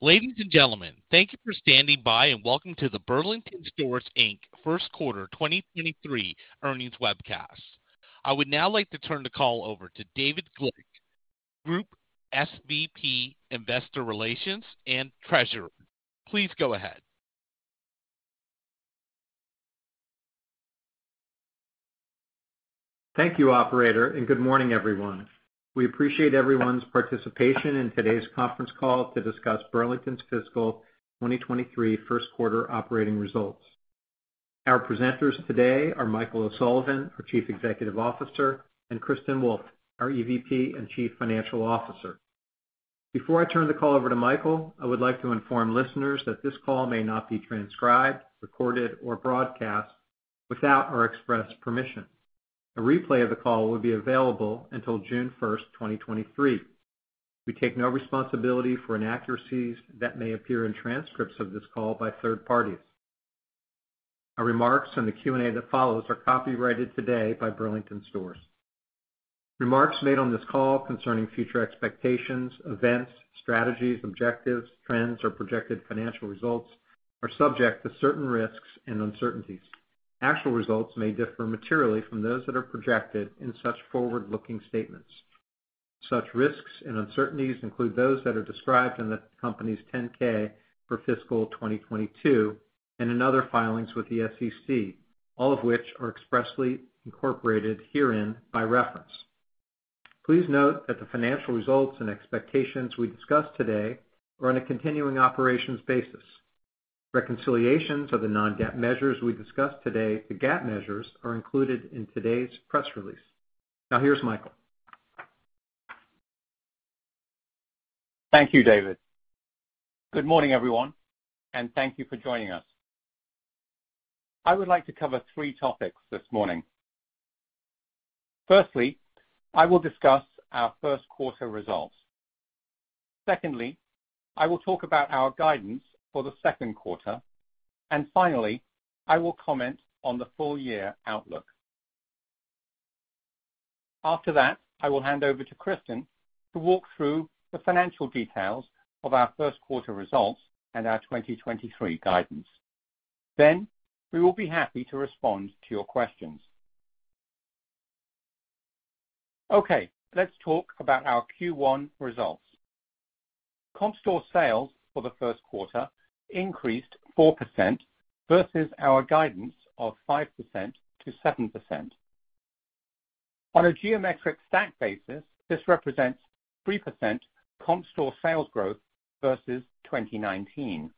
Ladies and gentlemen, thank you for standing by, and welcome to the Burlington Stores, Inc. First Quarter 2023 Earnings Webcast. I would now like to turn the call over to David Glick, Group SVP, Investor Relations and Treasurer. Please go ahead. Thank you, operator. Good morning, everyone. We appreciate everyone's participation in today's conference call to discuss Burlington's fiscal 2023 first quarter operating results. Our presenters today are Michael O'Sullivan, our Chief Executive Officer, and Kristin Wolfe, our EVP and Chief Financial Officer. Before I turn the call over to Michael, I would like to inform listeners that this call may not be transcribed, recorded, or broadcast without our express permission. A replay of the call will be available until June 1st, 2023. We take no responsibility for inaccuracies that may appear in transcripts of this call by third parties. Our remarks and the Q&A that follows are copyrighted today by Burlington Stores. Remarks made on this call concerning future expectations, events, strategies, objectives, trends, or projected financial results are subject to certain risks and uncertainties. Actual results may differ materially from those that are projected in such forward-looking statements. Such risks and uncertainties include those that are described in the company's 10-K for fiscal 2022 and in other filings with the SEC, all of which are expressly incorporated herein by reference. Please note that the financial results and expectations we discuss today are on a continuing operations basis. Reconciliations of the non-GAAP measures we discuss today, the GAAP measures, are included in today's press release. Now, here's Michael. Thank you, David. Good morning, everyone, and thank you for joining us. I would like to cover three topics this morning. Firstly, I will discuss our first quarter results. Secondly, I will talk about our guidance for the second quarter. Finally, I will comment on the full year outlook. After that, I will hand over to Kristin to walk through the financial details of our first quarter results and our 2023 guidance. We will be happy to respond to your questions. Okay, let's talk about our Q1 results. Comp store sales for the first quarter increased 4% versus our guidance of 5%-7%. On a geometric stack basis, this represents 3% comp store sales growth versus 2019.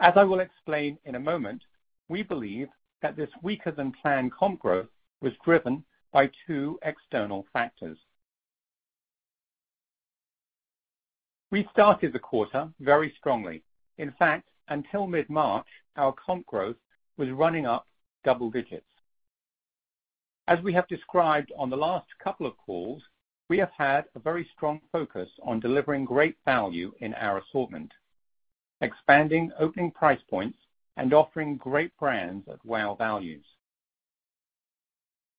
As I will explain in a moment, we believe that this weaker than planned comp growth was driven by two external factors. We started the quarter very strongly. In fact, until mid-March, our comp growth was running up double digits. As we have described on the last couple of calls, we have had a very strong focus on delivering great value in our assortment, expanding opening price points and offering great brands at wow values.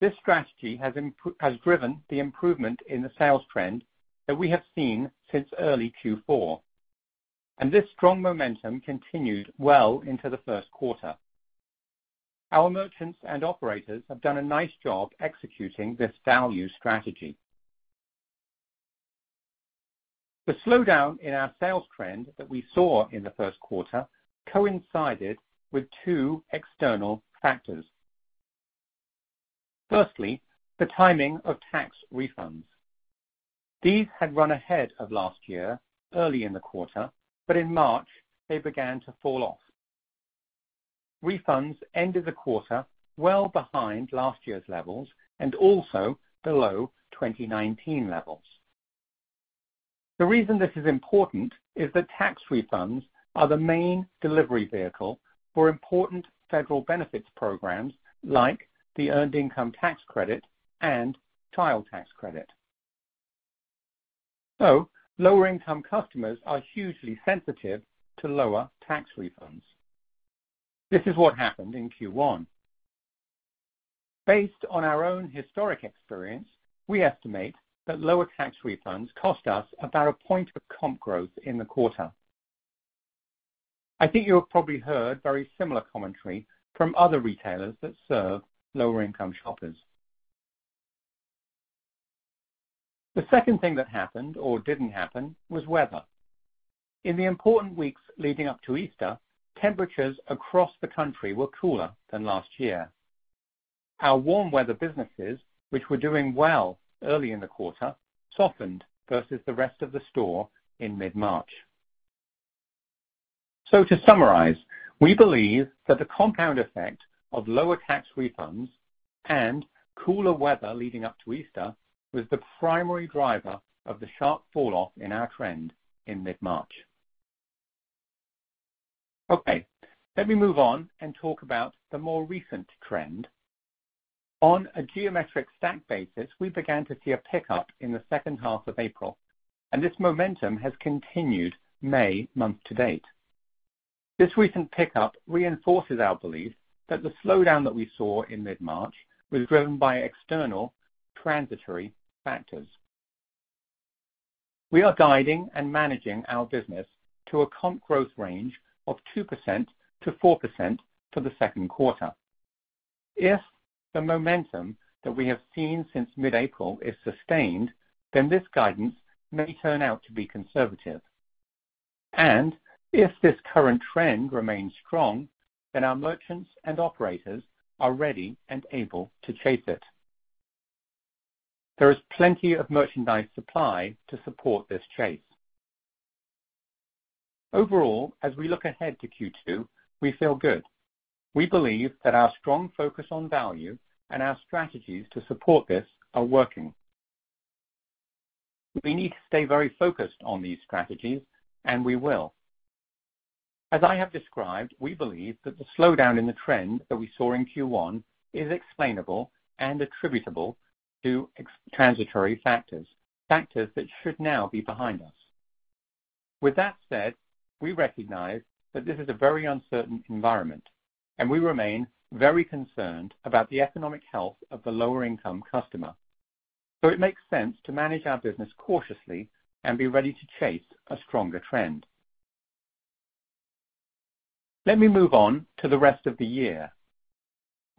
This strategy has driven the improvement in the sales trend that we have seen since early Q4, and this strong momentum continued well into the first quarter. Our merchants and operators have done a nice job executing this value strategy. The slowdown in our sales trend that we saw in the first quarter coincided with two external factors. Firstly, the timing of tax refunds. These had run ahead of last year, early in the quarter, but in March they began to fall off. Refunds ended the quarter well behind last year's levels and also below 2019 levels. The reason this is important is that tax refunds are the main delivery vehicle for important federal benefits programs like the Earned Income Tax Credit and Child Tax Credit. Lower-income customers are hugely sensitive to lower tax refunds. This is what happened in Q1. Based on our own historic experience, we estimate that lower tax refunds cost us about one point of comp growth in the quarter. I think you have probably heard very similar commentary from other retailers that serve lower-income shoppers. The second thing that happened or didn't happen was weather. In the important weeks leading up to Easter, temperatures across the country were cooler than last year. Our warm weather businesses, which were doing well early in the quarter, softened versus the rest of the store in mid-March. To summarize, we believe that the compound effect of lower tax refunds and cooler weather leading up to Easter was the primary driver of the sharp fall off in our trend in mid-March. Let me move on and talk about the more recent trend. On a geometric stack basis, we began to see a pickup in the second half of April, and this momentum has continued May month to date. This recent pickup reinforces our belief that the slowdown that we saw in mid-March was driven by external transitory factors. We are guiding and managing our business to a comp growth range of 2%-4% for the second quarter. If the momentum that we have seen since mid-April is sustained, this guidance may turn out to be conservative. If this current trend remains strong, then our merchants and operators are ready and able to chase it. There is plenty of merchandise supply to support this chase. As we look ahead to Q2, we feel good. We believe that our strong focus on value and our strategies to support this are working. We need to stay very focused on these strategies, and we will. As I have described, we believe that the slowdown in the trend that we saw in Q1 is explainable and attributable to transitory factors that should now be behind us. With that said, we recognize that this is a very uncertain environment, and we remain very concerned about the economic health of the lower-income customer. It makes sense to manage our business cautiously and be ready to chase a stronger trend. Let me move on to the rest of the year.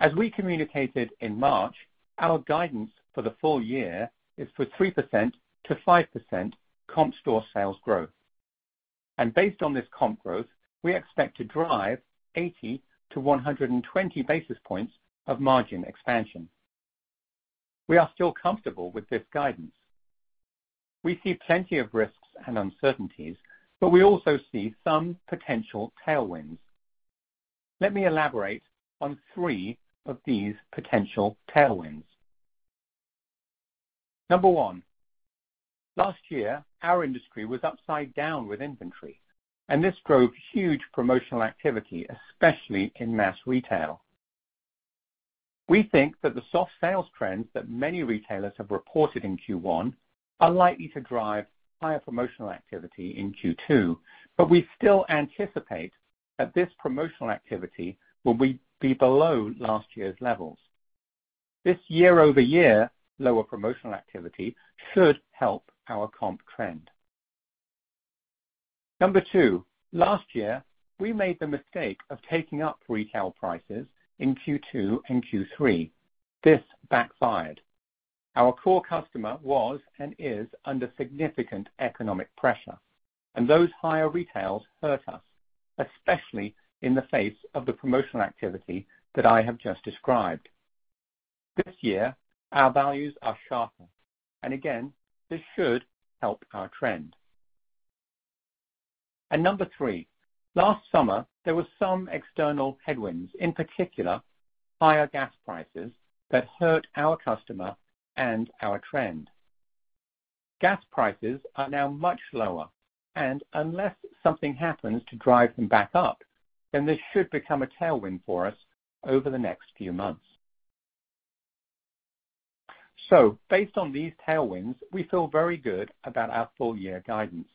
As we communicated in March, our guidance for the full year is for 3%-5% Comparable store sales growth. Based on this comp growth, we expect to drive 80-120 basis points of margin expansion. We are still comfortable with this guidance. We see plenty of risks and uncertainties, but we also see some potential tailwinds. Let me elaborate on three of these potential tailwinds. Number one, last year, our industry was upside down with inventory, and this drove huge promotional activity, especially in mass retail. We think that the soft sales trends that many retailers have reported in Q1 are likely to drive higher promotional activity in Q2, but we still anticipate that this promotional activity will be below last year's levels. This year-over-year lower promotional activity should help our comp trend. Number two, last year, we made the mistake of taking up retail prices in Q2 and Q3. This backfired. Our core customer was and is under significant economic pressure, and those higher retails hurt us, especially in the face of the promotional activity that I have just described. This year, our values are sharper, and again, this should help our trend. Number three, last summer, there were some external headwinds, in particular, higher gas prices that hurt our customer and our trend. Gas prices are now much lower, and unless something happens to drive them back up, then this should become a tailwind for us over the next few months. Based on these tailwinds, we feel very good about our full-year guidance.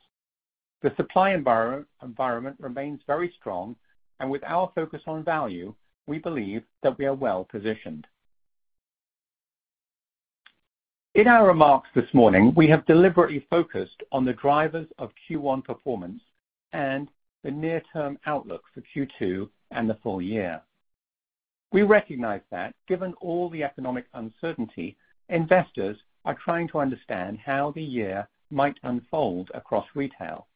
The supply environment remains very strong, and with our focus on value, we believe that we are well-positioned. In our remarks this morning, we have deliberately focused on the drivers of Q1 performance and the near-term outlook for Q2 and the full year. We recognize that given all the economic uncertainty, investors are trying to understand how the year might unfold across retail.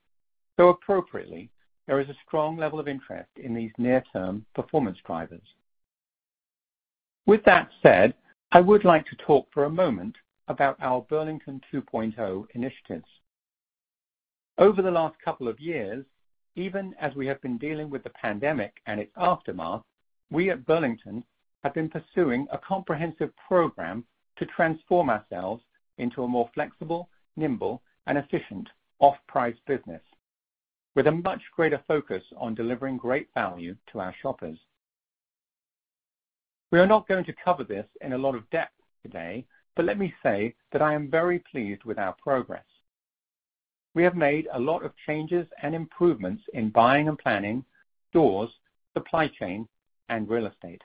Appropriately, there is a strong level of interest in these near-term performance drivers. With that said, I would like to talk for a moment about our Burlington 2.0 initiatives. Over the last couple of years, even as we have been dealing with the pandemic and its aftermath, we at Burlington have been pursuing a comprehensive program to transform ourselves into a more flexible, nimble, and efficient off-price business, with a much greater focus on delivering great value to our shoppers. We are not going to cover this in a lot of depth today, but let me say that I am very pleased with our progress. We have made a lot of changes and improvements in buying and planning, stores, supply chain, and real estate.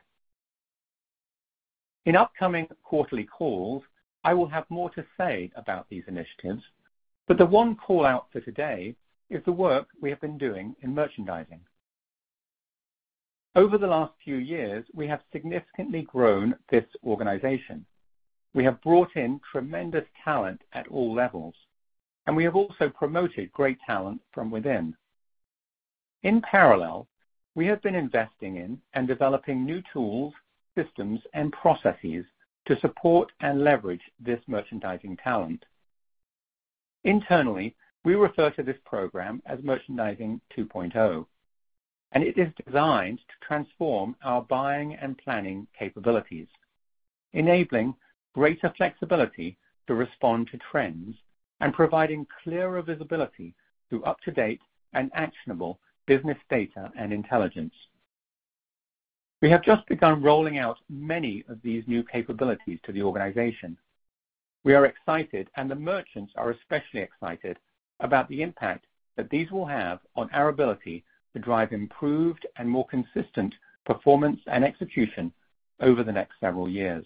In upcoming quarterly calls, I will have more to say about these initiatives, but the one call-out for today is the work we have been doing in merchandising. Over the last few years, we have significantly grown this organization. We have brought in tremendous talent at all levels, and we have also promoted great talent from within. In parallel, we have been investing in and developing new tools, systems, and processes to support and leverage this merchandising talent. Internally, we refer to this program as Merchandising 2.0. It is designed to transform our buying and planning capabilities, enabling greater flexibility to respond to trends and providing clearer visibility through up-to-date and actionable business data and intelligence. We have just begun rolling out many of these new capabilities to the organization. We are excited. The merchants are especially excited about the impact that these will have on our ability to drive improved and more consistent performance and execution over the next several years.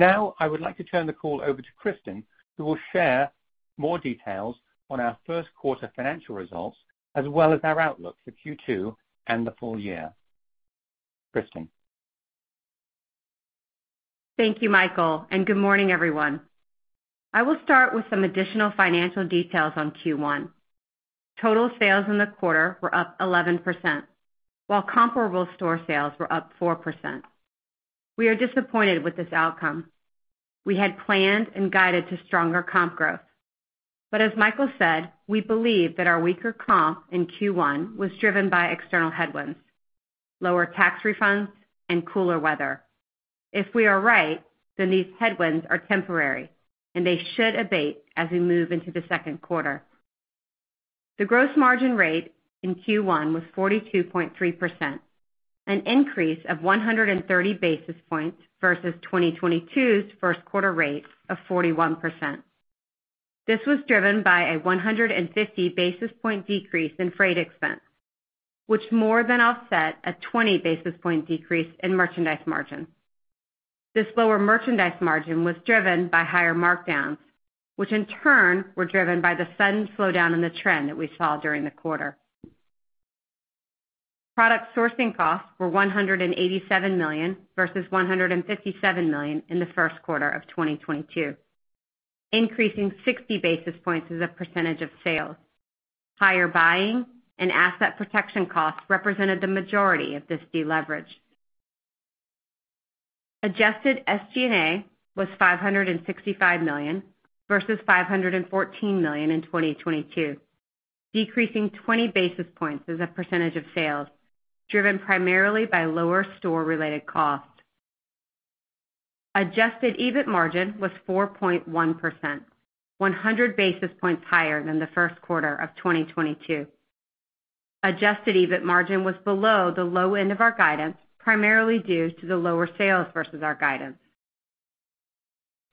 Now, I would like to turn the call over to Kristin, who will share more details on our first quarter financial results, as well as our outlook for Q2 and the full year. Kristin? Thank you, Michael, good morning, everyone. I will start with some additional financial details on Q1. Total sales in the quarter were up 11%, while comparable store sales were up 4%. We are disappointed with this outcome. We had planned and guided to stronger comp growth, as Michael said, we believe that our weaker comp in Q1 was driven by external headwinds, lower tax refunds and cooler weather. If we are right, these headwinds are temporary, they should abate as we move into the second quarter. The gross margin rate in Q1 was 42.3%, an increase of 130 basis points versus 2022's first quarter rate of 41%. This was driven by a 150 basis point decrease in freight expense, which more than offset a 20 basis point decrease in merchandise margin. This lower Merchandise margin was driven by higher markdowns, which in turn were driven by the sudden slowdown in the trend that we saw during the quarter. Product sourcing costs were $187 million versus $157 million in the first quarter of 2022, increasing 60 basis points as a percentage of sales. Higher buying and asset protection costs represented the majority of this deleverage. Adjusted SG&A was $565 million versus $514 million in 2022, decreasing 20 basis points as a percentage of sales, driven primarily by lower store-related costs. Adjusted EBIT margin was 4.1%, 100 basis points higher than the first quarter of 2022. Adjusted EBIT margin was below the low end of our guidance, primarily due to the lower sales versus our guidance.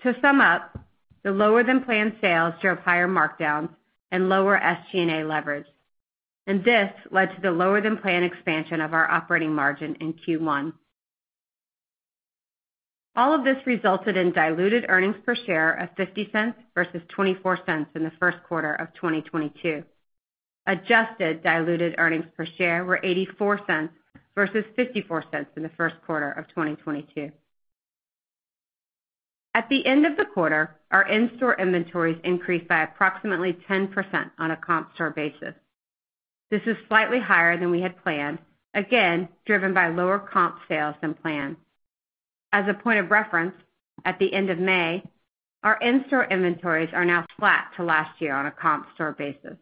To sum up, the lower-than-planned sales drove higher markdowns and lower SG&A leverage, this led to the lower-than-plan expansion of our operating margin in Q1. All of this resulted in diluted earnings per share of $0.50 versus $0.24 in the first quarter of 2022. Adjusted diluted earnings per share were $0.84 versus $0.54 in the first quarter of 2022. At the end of the quarter, our in-store inventories increased by approximately 10% on a comp store basis. This is slightly higher than we had planned, again, driven by lower comp sales than planned. As a point of reference, at the end of May, our in-store inventories are now flat to last year on a comp store basis.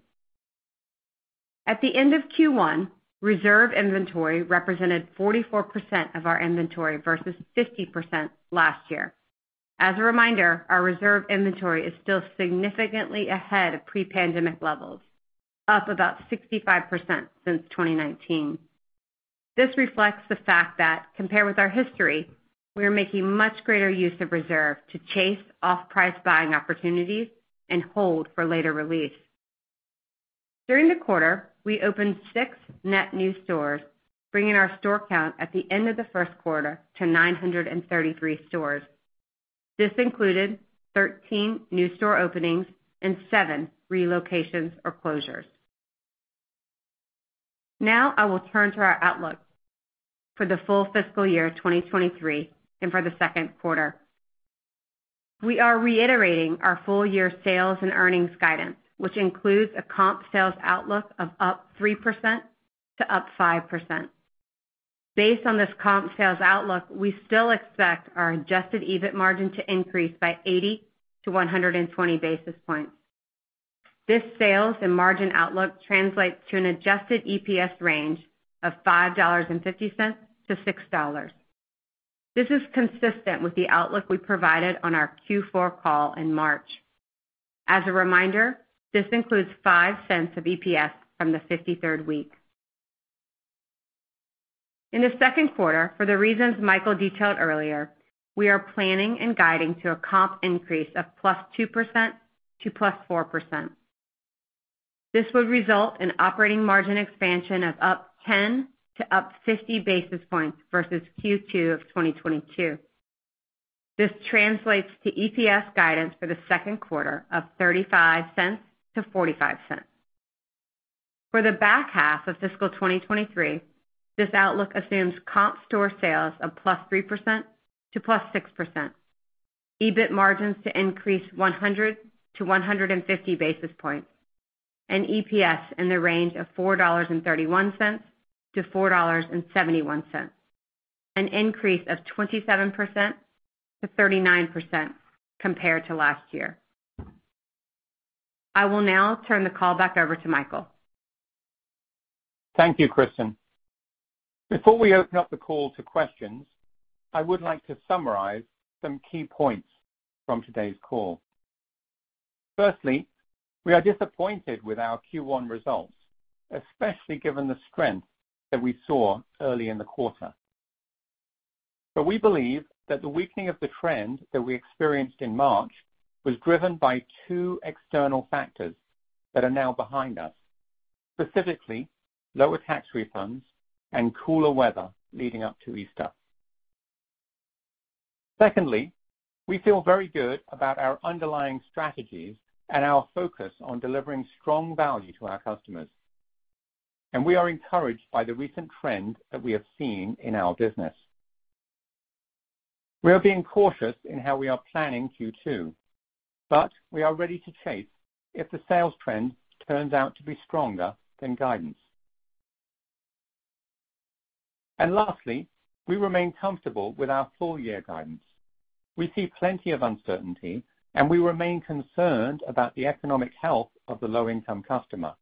At the end of Q1, reserve inventory represented 44% of our inventory versus 50% last year. As a reminder, our reserve inventory is still significantly ahead of pre-pandemic levels, up about 65% since 2019. This reflects the fact that, compared with our history, we are making much greater use of Reserve to chase off-price buying opportunities and hold for later release. During the quarter, we opened six net new stores, bringing our store count at the end of the first quarter to 933 stores. This included 13 new store openings and seven relocations or closures. Now, I will turn to our outlook for the full fiscal year 2023 and for the second quarter. We are reiterating our full year sales and earnings guidance, which includes a comp sales outlook of up 3%-5%. Based on this comp sales outlook, we still expect our Adjusted EBIT margin to increase by 80-120 basis points. This sales and margin outlook translates to an Adjusted EPS range of $5.50-$6.00. This is consistent with the outlook we provided on our Q4 call in March. As a reminder, this includes $0.05 of EPS from the fifty-third week. In the second quarter, for the reasons Michael detailed earlier, we are planning and guiding to a comp increase of +2%-+4%. This would result in operating margin expansion of +10-+50 basis points versus Q2 of 2022. This translates to EPS guidance for the second quarter of $0.35-$0.45. For the back half of fiscal 2023, this outlook assumes Comparable store sales of +3%-+6%, EBIT margins to increase 100-150 basis points, and EPS in the range of $4.31-$4.71, an increase of 27%-39% compared to last year. I will now turn the call back over to Michael. Thank you, Kristin. Before we open up the call to questions, I would like to summarize some key points from today's call. Firstly, we are disappointed with our Q1 results, especially given the strength that we saw early in the quarter. We believe that the weakening of the trend that we experienced in March was driven by two external factors that are now behind us, specifically, lower tax refunds and cooler weather leading up to Easter. Secondly, we feel very good about our underlying strategies and our focus on delivering strong value to our customers, and we are encouraged by the recent trend that we have seen in our business. We are being cautious in how we are planning Q2, but we are ready to chase if the sales trend turns out to be stronger than guidance. Lastly, we remain comfortable with our full-year guidance. We see plenty of uncertainty, and we remain concerned about the economic health of the low-income customer,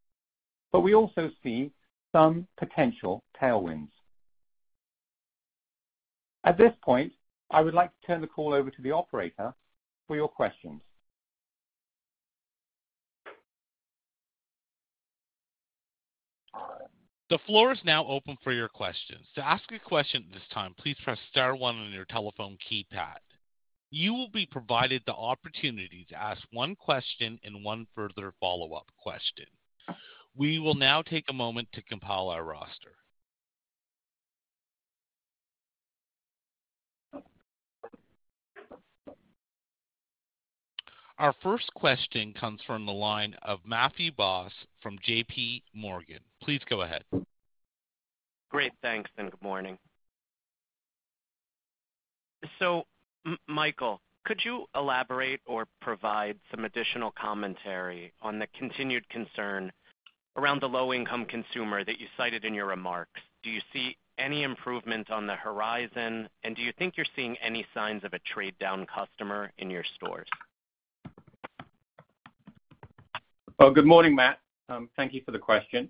but we also see some potential tailwinds. At this point, I would like to turn the call over to the operator for your questions. The floor is now open for your questions. To ask a question at this time, please press star one on your telephone keypad. You will be provided the opportunity to ask one question and one further follow-up question. We will now take a moment to compile our roster. Our first question comes from the line of Matthew Boss from J.P. Morgan. Please go ahead. Great, thanks, and good morning. Michael, could you elaborate or provide some additional commentary on the continued concern around the low-income consumer that you cited in your remarks? Do you see any improvement on the horizon, and do you think you're seeing any signs of a trade-down customer in your stores? Well, good morning, Matt. Thank you for the question.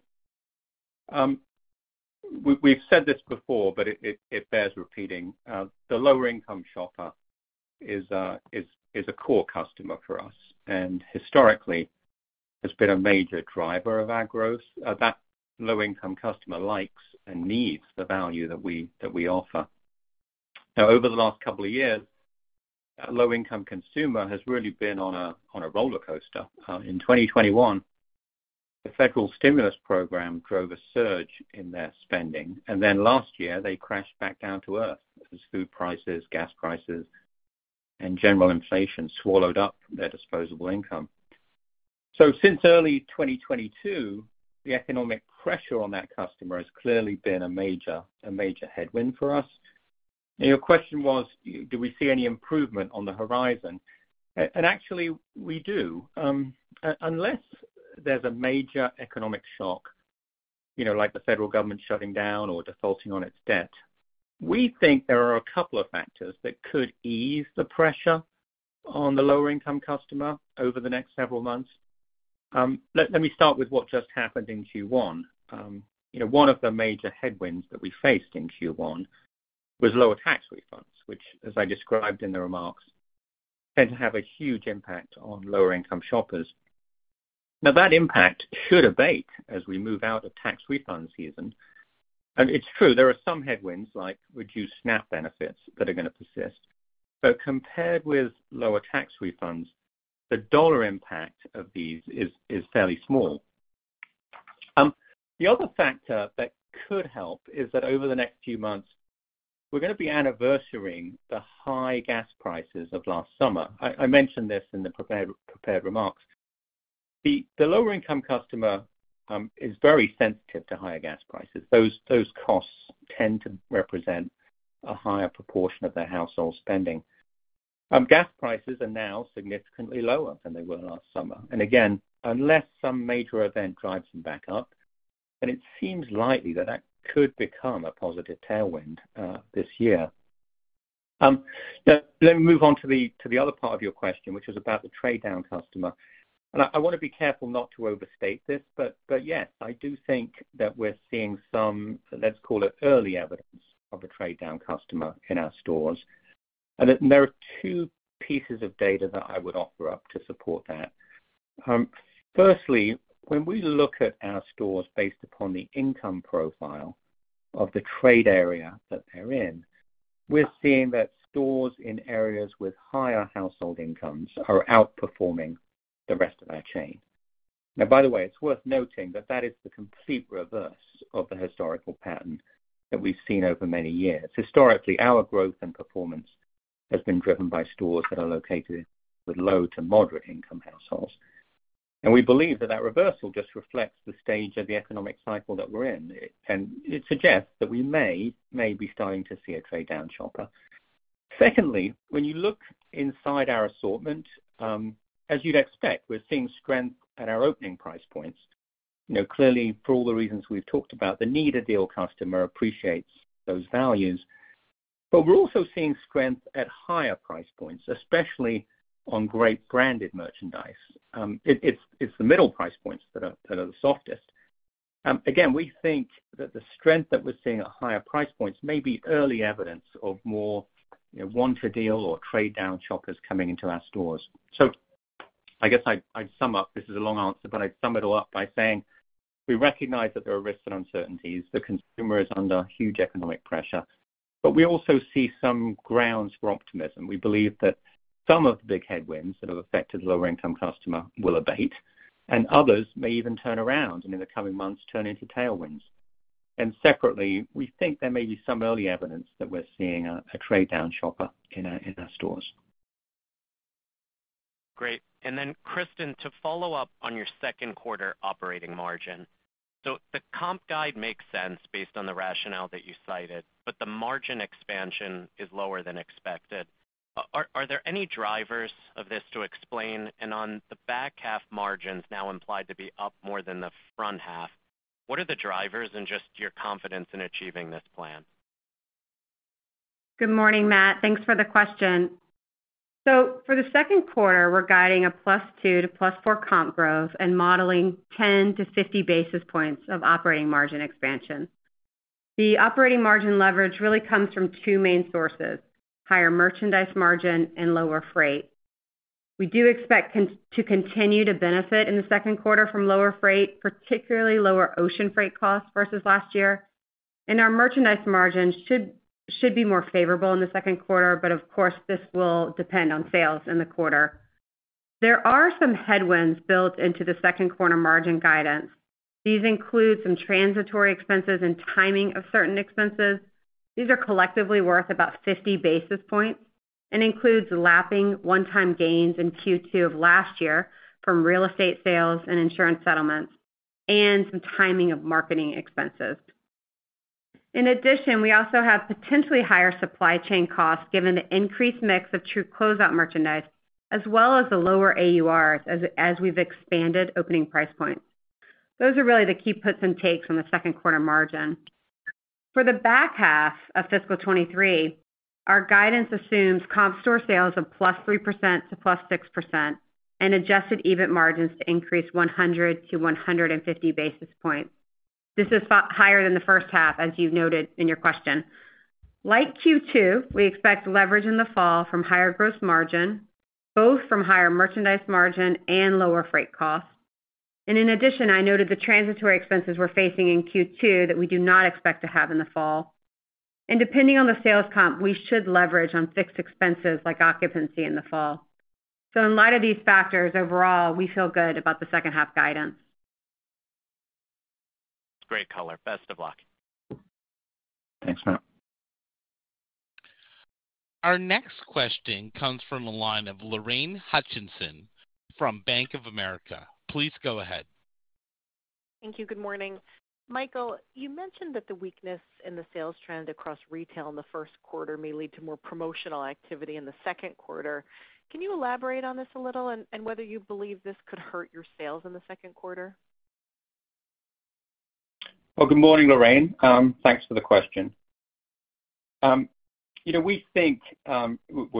We've said this before, but it bears repeating. The lower-income shopper is a core customer for us, and historically, has been a major driver of our growth. That low-income customer likes and needs the value that we offer. Over the last couple of years, that low-income consumer has really been on a roller coaster. In 2021, the federal stimulus program drove a surge in their spending. Last year, they crashed back down to earth as food prices, gas prices, and general inflation swallowed up their disposable income. Since early 2022, the economic pressure on that customer has clearly been a major headwind for us. Your question was, do we see any improvement on the horizon? Actually, we do. Unless there's a major economic shock, you know, like the federal government shutting down or defaulting on its debt, we think there are a couple of factors that could ease the pressure on the lower-income customer over the next several months. Let me start with what just happened in Q1. You know, one of the major headwinds that we faced in Q1 was lower tax refunds, which, as I described in the remarks, tend to have a huge impact on lower-income shoppers. Now, that impact should abate as we move out of tax refund season. It's true, there are some headwinds, like reduced SNAP benefits, that are gonna persist, but compared with lower tax refunds, the dollar impact of these is fairly small. The other factor that could help is that over the next few months, we're gonna be anniversarying the high gas prices of last summer. I mentioned this in the prepared remarks. The lower-income customer is very sensitive to higher gas prices. Those costs tend to represent a higher proportion of their household spending. Gas prices are now significantly lower than they were last summer, and again, unless some major event drives them back up, then it seems likely that that could become a positive tailwind this year. Now let me move on to the other part of your question, which is about the trade-down customer. I wanna be careful not to overstate this, but yes, I do think that we're seeing some, let's call it, early evidence of a trade-down customer in our stores. There are two pieces of data that I would offer up to support that. Firstly, when we look at our stores based upon the income profile of the trade area that they're in, we're seeing that stores in areas with higher household incomes are outperforming the rest of our chain. By the way, it's worth noting that that is the complete reverse of the historical pattern that we've seen over many years. Historically, our growth and performance has been driven by stores that are located with low to moderate-income households, we believe that that reversal just reflects the stage of the economic cycle that we're in, and it suggests that we may be starting to see a trade-down shopper. Secondly, when you look inside our assortment, as you'd expect, we're seeing strength at our opening price points. You know, clearly, for all the reasons we've talked about, the need a deal customer appreciates those values. We're also seeing strength at higher price points, especially on great branded merchandise. It's the middle price points that are the softest. Again, we think that the strength that we're seeing at higher price points may be early evidence of more, you know, want a deal or trade-down shoppers coming into our stores. I guess I'd sum up, this is a long answer, but I'd sum it all up by saying, we recognize that there are risks and uncertainties. The consumer is under huge economic pressure, but we also see some grounds for optimism. We believe that some of the big headwinds that have affected lower-income customer will abate, and others may even turn around and in the coming months, turn into tailwinds. Separately, we think there may be some early evidence that we're seeing a trade-down shopper in our stores. Great. Kristin, to follow up on your second quarter operating margin. The comp guide makes sense based on the rationale that you cited, but the margin expansion is lower than expected. Are there any drivers of this to explain? On the back half, margins now implied to be up more than the front half, what are the drivers and just your confidence in achieving this plan? Good morning, Matt. Thanks for the question. For the second quarter, we're guiding a +2%-+4% comp growth and modeling 10-50 basis points of operating margin expansion. The operating margin leverage really comes from two main sources: higher Merchandise margin and lower freight. We do expect to continue to benefit in the second quarter from lower freight, particularly lower ocean freight costs versus last year. Our Merchandise margins should be more favorable in the second quarter, but of course, this will depend on sales in the quarter. There are some headwinds built into the second quarter margin guidance. These include some transitory expenses and timing of certain expenses. These are collectively worth about 50 basis points and includes lapping one-time gains in Q2 of last year from real estate sales and insurance settlements, and some timing of marketing expenses. In addition, we also have potentially higher supply chain costs, given the increased mix of true closeout merchandise, as well as the lower AUR as we've expanded opening price points. Those are really the key puts and takes on the second quarter margin. For the back half of fiscal 2023, our guidance assumes Comparable store sales of +3%-+6% and Adjusted EBIT margins to increase 100-150 basis points. This is higher than the first half, as you've noted in your question. Like Q2, we expect leverage in the fall from higher Gross margin, both from higher Merchandise margin and lower freight costs. In addition, I noted the transitory expenses we're facing in Q2 that we do not expect to have in the fall. Depending on the sales comp, we should leverage on fixed expenses like occupancy in the fall. In light of these factors, overall, we feel good about the second half guidance. Great color. Best of luck. Thanks, Matt. Our next question comes from the line of Lorraine Hutchinson from Bank of America. Please go ahead. Thank you. Good morning. Michael, you mentioned that the weakness in the sales trend across retail in the first quarter may lead to more promotional activity in the second quarter. Can you elaborate on this a little, and whether you believe this could hurt your sales in the second quarter? Well, good morning, Lorraine. Thanks for the question. You know, we think, actually,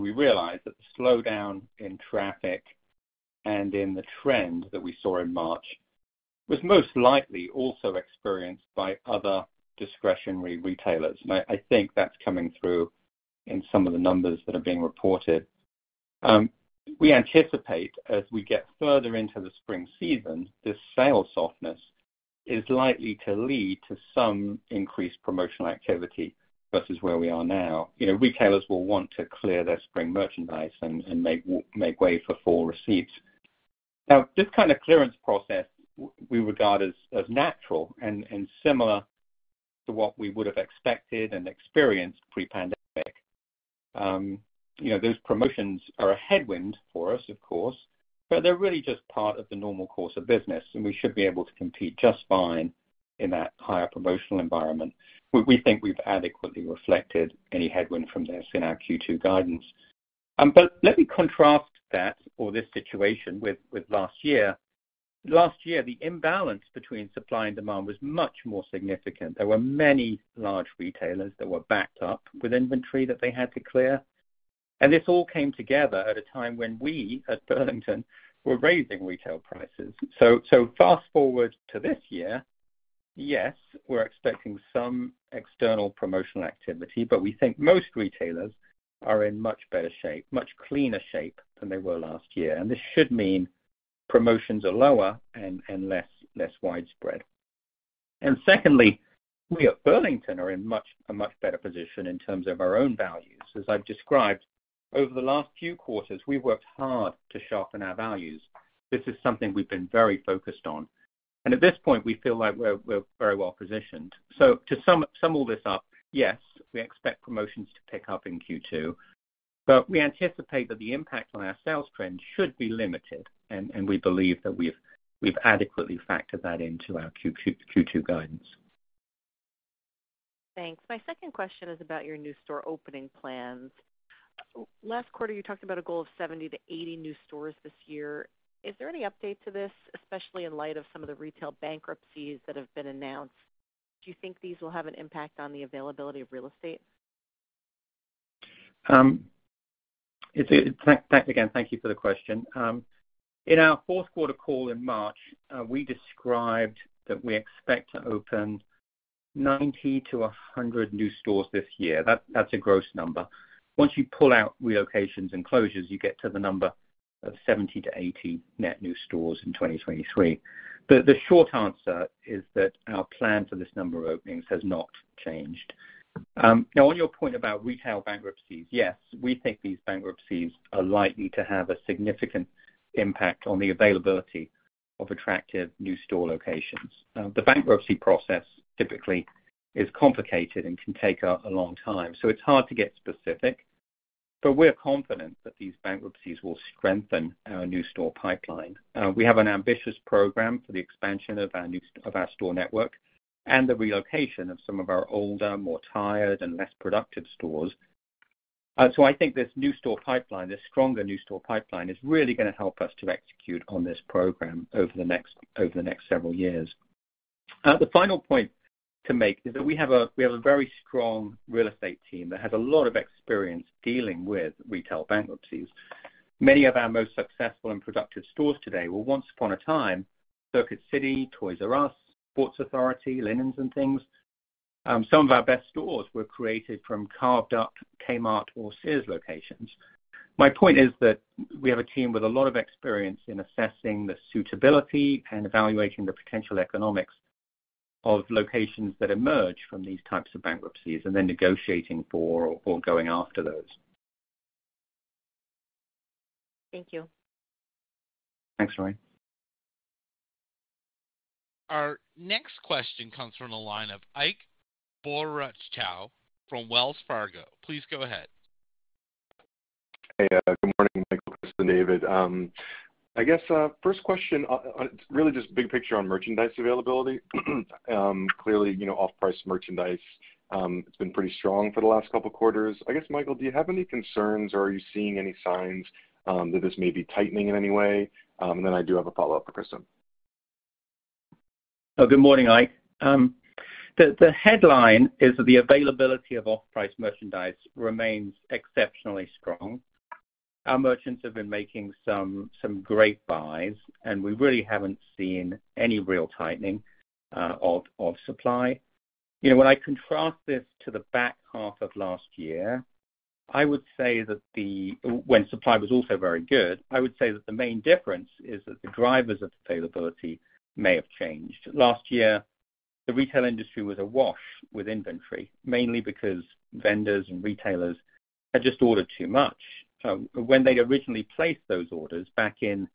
we realize that the slowdown in traffic and in the trend that we saw in March was most likely also experienced by other discretionary retailers. I think that's coming through in some of the numbers that are being reported. We anticipate as we get further into the spring season, this sales softness is likely to lead to some increased promotional activity versus where we are now. You know, retailers will want to clear their spring merchandise and make way for fall receipts. This kind of clearance process we regard as natural and similar to what we would have expected and experienced pre-pandemic. you know, those promotions are a headwind for us, of course, but they're really just part of the normal course of business, and we should be able to compete just fine in that higher promotional environment. We think we've adequately reflected any headwind from this in our Q2 guidance. Let me contrast that or this situation with last year. Last year, the imbalance between supply and demand was much more significant. There were many large retailers that were backed up with inventory that they had to clear, and this all came together at a time when we, at Burlington, were raising retail prices. Fast forward to this year, yes, we're expecting some external promotional activity, we think most retailers are in much better shape, much cleaner shape than they were last year. This should mean promotions are lower and less widespread. Secondly, we at Burlington are in a much better position in terms of our own values. As I've described, over the last few quarters, we worked hard to sharpen our values. This is something we've been very focused on, and at this point, we feel like we're very well positioned. To sum all this up, yes, we expect promotions to pick up in Q2, but we anticipate that the impact on our sales trend should be limited, and we believe that we've adequately factored that into our Q2 guidance. Thanks. My second question is about your new store opening plans. Last quarter, you talked about a goal of 70-80 new stores this year. Is there any update to this, especially in light of some of the retail bankruptcies that have been announced? Do you think these will have an impact on the availability of real estate? It's, thank, again, thank you for the question. In our fourth quarter call in March, we described that we expect to open 90-100 new stores this year. That's a gross number. Once you pull out relocations and closures, you get to the number of 70-80 net new stores in 2023. The short answer is that our plan for this number of openings has not changed. Now, on your point about retail bankruptcies, yes, we think these bankruptcies are likely to have a significant impact on the availability of attractive new store locations. The bankruptcy process typically is complicated and can take a long time, so it's hard to get specific. We're confident that these bankruptcies will strengthen our new store pipeline. We have an ambitious program for the expansion of our store network and the relocation of some of our older, more tired, and less productive stores. I think this new store pipeline, this stronger new store pipeline, is really gonna help us to execute on this program over the next several years. The final point to make is that we have a very strong real estate team that has a lot of experience dealing with retail bankruptcies. Many of our most successful and productive stores today were once upon a time, Circuit City, Toys "R" Us, Sports Authority, Linens 'n Things. Some of our best stores were created from carved up Kmart or Sears locations. My point is that we have a team with a lot of experience in assessing the suitability and evaluating the potential economics of locations that emerge from these types of bankruptcies and then negotiating for or going after those. Thank you. Thanks, Lorraine. Our next question comes from the line of Ike Boruchow from Wells Fargo. Please go ahead. Hey, good morning, Michael and David. I guess, first question, really just big picture on merchandise availability. Clearly, you know, off-price merchandise has been pretty strong for the last couple quarters. I guess, Michael, do you have any concerns, or are you seeing any signs that this may be tightening in any way? I do have a follow-up for Kristin. Good morning, Ike. The headline is that the availability of off-price merchandise remains exceptionally strong. Our merchants have been making some great buys, and we really haven't seen any real tightening of supply. You know, when I contrast this to the back half of last year, I would say that when supply was also very good, I would say that the main difference is that the drivers of availability may have changed. Last year, the retail industry was awash with inventory, mainly because vendors and retailers had just ordered too much. When they originally placed those orders back in,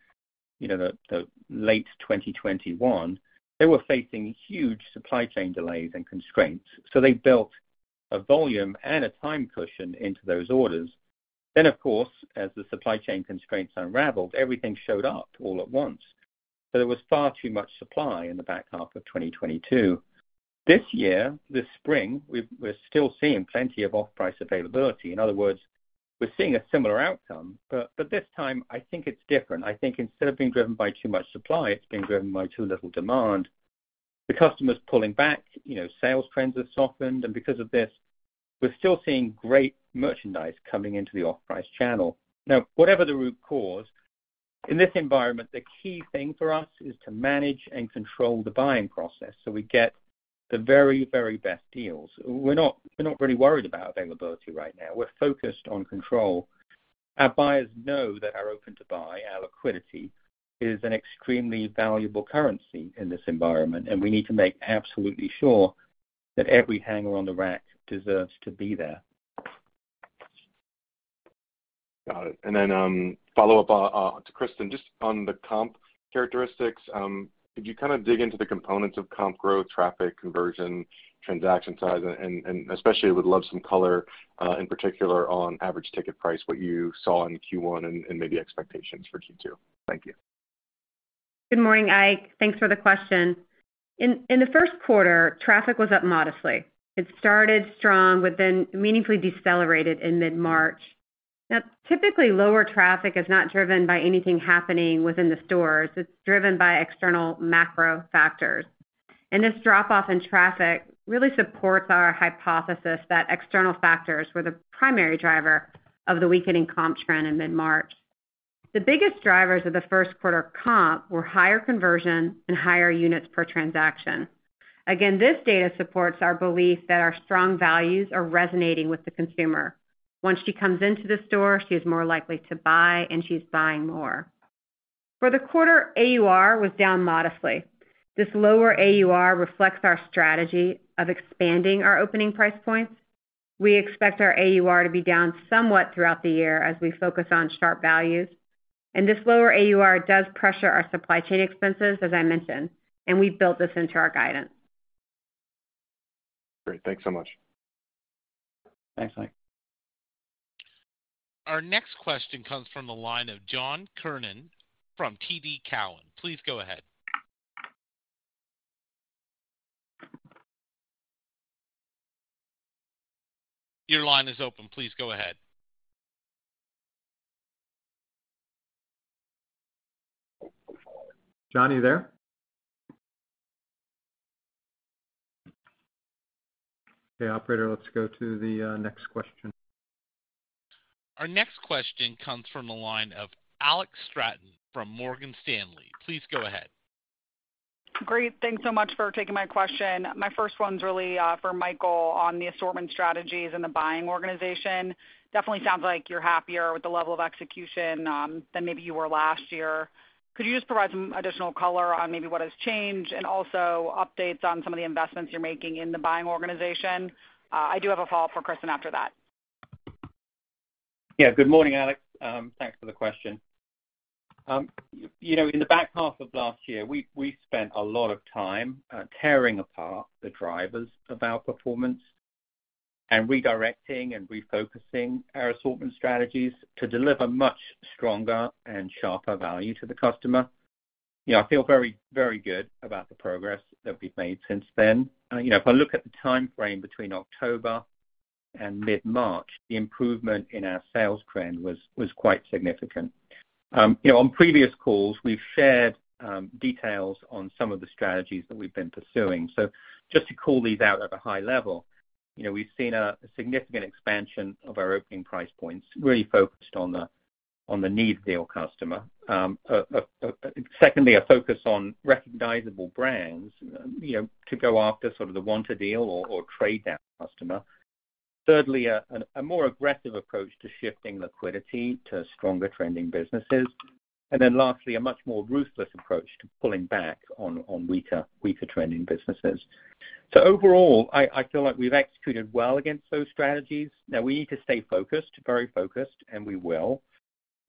you know, the late 2021, they were facing huge supply chain delays and constraints, so they built a volume and a time cushion into those orders. Of course, as the supply chain constraints unraveled, everything showed up all at once. There was far too much supply in the back half of 2022. This year, this spring, we're still seeing plenty of off-price availability. In other words, we're seeing a similar outcome, but this time, I think it's different. I think instead of being driven by too much supply, it's been driven by too little demand. The customer's pulling back, you know, sales trends have softened, and because of this, we're still seeing great merchandise coming into the off-price channel. Whatever the root cause, in this environment, the key thing for us is to manage and control the buying process, so we get the very, very best deals. We're not really worried about availability right now. We're focused on control. Our buyers know that are open to buy. Our liquidity is an extremely valuable currency in this environment, and we need to make absolutely sure that every hanger on the rack deserves to be there. Got it. Follow up to Kristin, just on the comp characteristics. Could you kind of dig into the components of comp growth, traffic, conversion, transaction size, and especially would love some color in particular on average ticket price, what you saw in Q1 and maybe expectations for Q2. Thank you. Good morning, Ike. Thanks for the question. In the first quarter, traffic was up modestly. It started strong, but then meaningfully decelerated in mid-March. Typically, lower traffic is not driven by anything happening within the stores. It's driven by external macro factors. This drop-off in traffic really supports our hypothesis that external factors were the primary driver of the weakening comp trend in mid-March. The biggest drivers of the first quarter comp were higher conversion and higher units per transaction. Again, this data supports our belief that our strong values are resonating with the consumer. Once she comes into the store, she is more likely to buy, and she's buying more. For the quarter, AUR was down modestly. This lower AUR reflects our strategy of expanding our opening price points. We expect our AUR to be down somewhat throughout the year as we focus on sharp values. This lower AUR does pressure our supply chain expenses, as I mentioned. We've built this into our guidance. Great. Thanks so much. Thanks, Ike. Our next question comes from the line of John Kernan from TD Cowen. Please go ahead. Your line is open. Please go ahead. John, are you there? Okay, operator, let's go to the next question. Our next question comes from the line of Alex Straton from Morgan Stanley. Please go ahead. Great. Thanks so much for taking my question. My first one's really for Michael on the assortment strategies and the buying organization. Definitely sounds like you're happier with the level of execution than maybe you were last year. Could you just provide some additional color on maybe what has changed, and also updates on some of the investments you're making in the buying organization? I do have a follow-up for Kristin after that. Good morning, Alex Straton. Thanks for the question. You know, in the back half of last year, we spent a lot of time tearing apart the drivers of our performance and redirecting and refocusing our assortment strategies to deliver much stronger and sharper value to the customer. You know, I feel very good about the progress that we've made since then. You know, if I look at the timeframe between October and mid-March, the improvement in our sales trend was quite significant. You know, on previous calls, we've shared details on some of the strategies that we've been pursuing. Just to call these out at a high level, you know, we've seen a significant expansion of our opening price points, really focused on the needs deal customer. Secondly, a focus on recognizable brands, you know, to go after sort of the want a deal or trade down customer. Thirdly, a more aggressive approach to shifting liquidity to stronger trending businesses. Lastly, a much more ruthless approach to pulling back on weaker trending businesses. Overall, I feel like we've executed well against those strategies. We need to stay focused, very focused, and we will.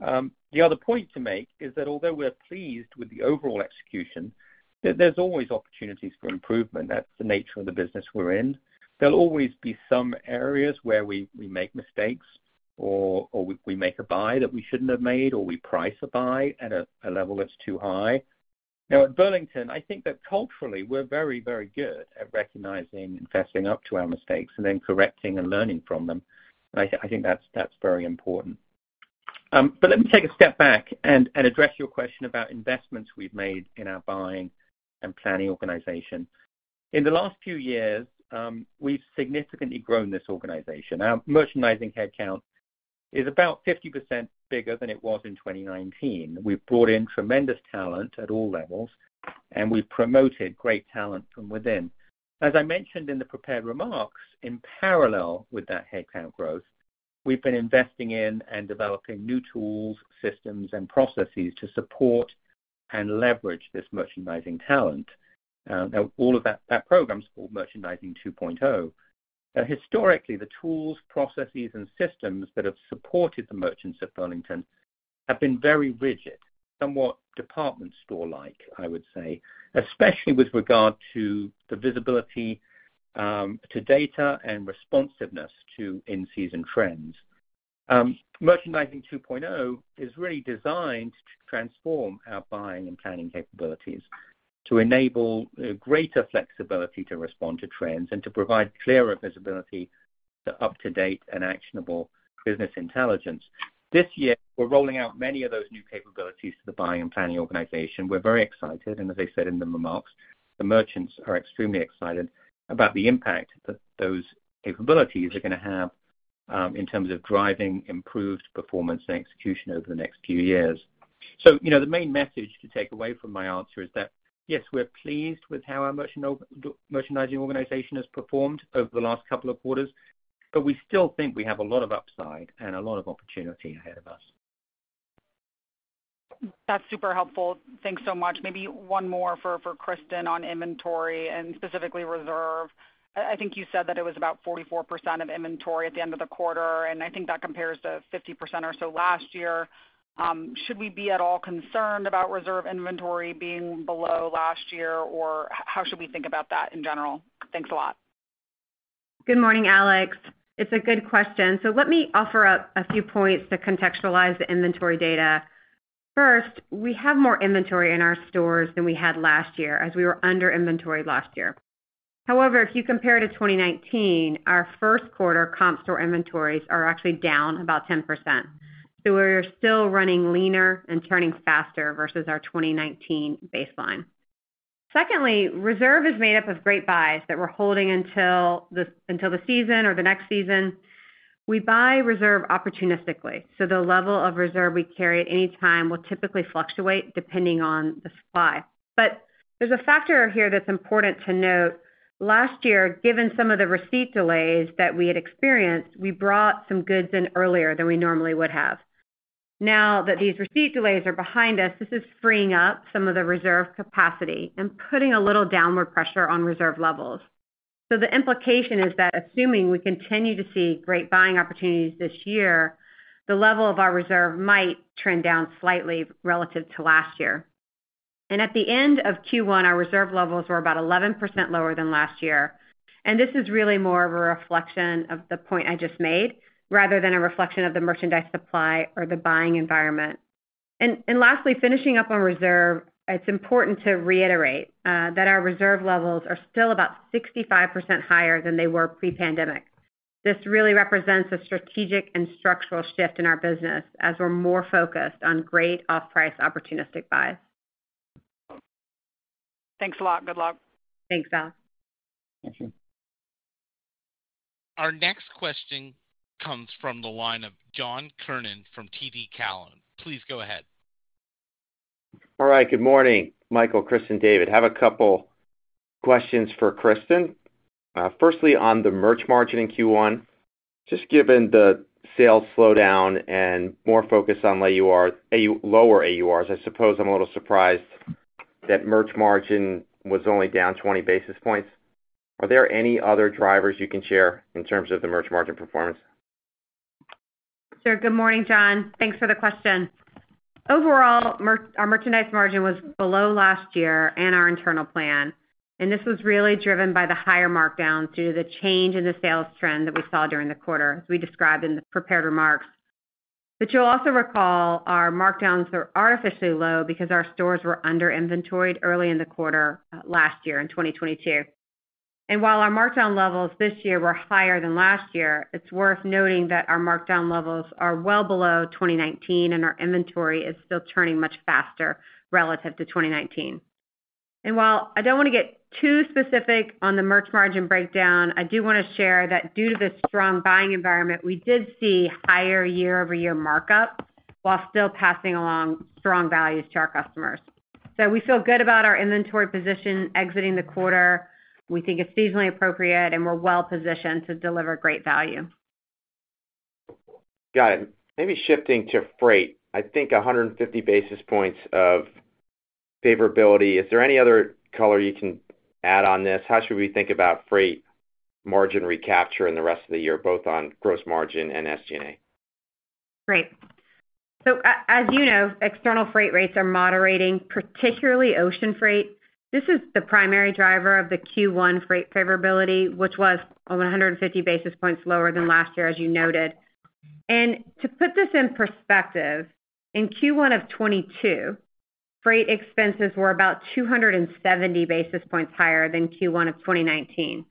The other point to make is that although we're pleased with the overall execution, there's always opportunities for improvement. That's the nature of the business we're in. There'll always be some areas where we make mistakes or we make a buy that we shouldn't have made, or we price a buy at a level that's too high. At Burlington, I think that culturally, we're very, very good at recognizing and fessing up to our mistakes and then correcting and learning from them. I think that's very important. Let me take a step back and address your question about investments we've made in our buying and planning organization. In the last few years, we've significantly grown this organization. Our merchandising headcount is about 50% bigger than it was in 2019. We've brought in tremendous talent at all levels, and we've promoted great talent from within. As I mentioned in the prepared remarks, in parallel with that headcount growth, we've been investing in and developing new tools, systems, and processes to support and leverage this merchandising talent. All of that program is called Merchandising 2.0. Historically, the tools, processes, and systems that have supported the merchants at Burlington have been very rigid, somewhat department store-like, I would say, especially with regard to the visibility to data and responsiveness to in-season trends. Merchandising 2.0 is really designed to transform our buying and planning capabilities, to enable greater flexibility to respond to trends and to provide clearer visibility to up-to-date and actionable business intelligence. This year, we're rolling out many of those new capabilities to the buying and planning organization. We're very excited, and as I said in the remarks, the merchants are extremely excited about the impact that those capabilities are gonna have in terms of driving improved performance and execution over the next few years. You know, the main message to take away from my answer is that, yes, we're pleased with how our merchandising organization has performed over the last couple of quarters, but we still think we have a lot of upside and a lot of opportunity ahead of us. That's super helpful. Thanks so much. Maybe one more for Kristin on inventory and specifically reserve. I think you said that it was about 44% of inventory at the end of the quarter, and I think that compares to 50% or so last year. Should we be at all concerned about reserve inventory being below last year, or how should we think about that in general? Thanks a lot. Good morning, Alex. It's a good question. Let me offer up a few points to contextualize the inventory data. First, we have more inventory in our stores than we had last year, as we were under inventoried last year. However, if you compare to 2019, our first quarter comp store inventories are actually down about 10%. We're still running leaner and turning faster versus our 2019 baseline. Secondly, reserve is made up of great buys that we're holding until the season or the next season. We buy reserve opportunistically, so the level of reserve we carry at any time will typically fluctuate depending on the supply. There's a factor here that's important to note. Last year, given some of the receipt delays that we had experienced, we brought some goods in earlier than we normally would have. Now that these receipt delays are behind us, this is freeing up some of the reserve capacity and putting a little downward pressure on reserve levels. The implication is that assuming we continue to see great buying opportunities this year, the level of our reserve might trend down slightly relative to last year. At the end of Q1, our reserve levels were about 11% lower than last year, and this is really more of a reflection of the point I just made, rather than a reflection of the merchandise supply or the buying environment. Lastly, finishing up on reserve, it's important to reiterate that our reserve levels are still about 65% higher than they were pre-pandemic. This really represents a strategic and structural shift in our business as we're more focused on great off-price, opportunistic buys. Thanks a lot. Good luck. Thanks, [Dal]. Thank you. Our next question comes from the line of John Kernan from TD Cowen. Please go ahead. All right, good morning, Michael, Kristin, David. Have a couple questions for Kristin. Firstly, on the merch margin in Q1, just given the sales slowdown and more focus on AUR, lower AURs, I suppose I'm a little surprised that merch margin was only down 20 basis points. Are there any other drivers you can share in terms of the merch margin performance? Sure. Good morning, John. Thanks for the question. Overall, our Merchandise margin was below last year and our internal plan, this was really driven by the higher markdowns due to the change in the sales trend that we saw during the quarter, as we described in the prepared remarks. You'll also recall, our markdowns were artificially low because our stores were under-inventoried early in the quarter, last year in 2022. While our markdown levels this year were higher than last year, it's worth noting that our markdown levels are well below 2019, our inventory is still turning much faster relative to 2019. While I don't wanna get too specific on the merch margin breakdown, I do wanna share that due to this strong buying environment, we did see higher year-over-year markup while still passing along strong values to our customers. We feel good about our inventory position exiting the quarter. We think it's seasonally appropriate, and we're well positioned to deliver great value. Got it. Maybe shifting to freight, I think 150 basis points of favorability. Is there any other color you can add on this? How should we think about freight margin recapture in the rest of the year, both on gross margin and SG&A? As you know, external freight rates are moderating, particularly ocean freight. This is the primary driver of the Q1 freight favorability, which was 150 basis points lower than last year, as you noted. To put this in perspective, in Q1 of 2022, freight expenses were about 270 basis points higher than Q1 of 2019.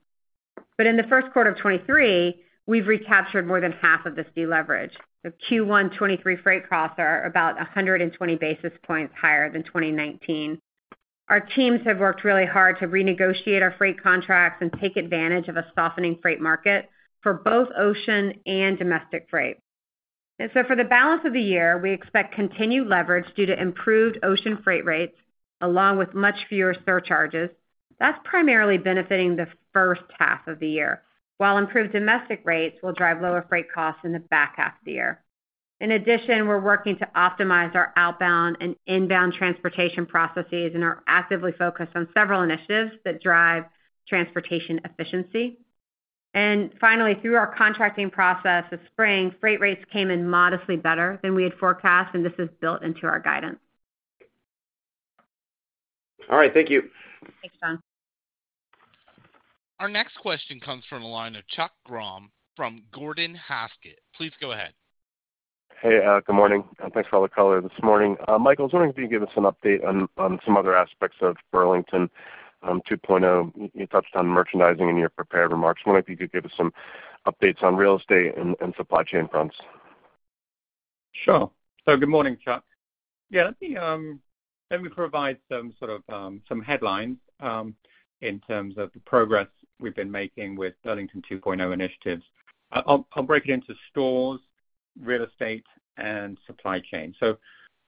In the first quarter of 2023, we've recaptured more than half of this deleverage. Q1 2023 freight costs are about 120 basis points higher than 2019. Our teams have worked really hard to renegotiate our freight contracts and take advantage of a softening freight market for both ocean and domestic freight. For the balance of the year, we expect continued leverage due to improved ocean freight rates, along with much fewer surcharges. That's primarily benefiting the first half of the year, while improved domestic rates will drive lower freight costs in the back half of the year. We're working to optimize our outbound and inbound transportation processes and are actively focused on several initiatives that drive transportation efficiency. Finally, through our contracting process this spring, freight rates came in modestly better than we had forecast, and this is built into our guidance. All right. Thank you. Thanks, John. Our next question comes from the line of Chuck Grom from Gordon Haskett. Please go ahead. Hey, good morning, and thanks for all the color this morning. Michael, I was wondering if you could give us some update on some other aspects of Burlington 2.0. You touched on merchandising in your prepared remarks. I was wondering if you could give us some updates on real estate and supply chain fronts. Sure. Good morning, Chuck. Yeah, let me provide some sort of headlines in terms of the progress we've been making with Burlington 2.0 initiatives. I'll break it into stores, real estate, and supply chain.